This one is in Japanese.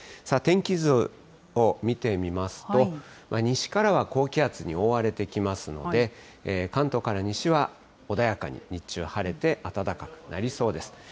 天気図を見てみますと、西からは高気圧に覆われてきますので、関東から西は穏やかに日中晴れて、暖かくなりそうです。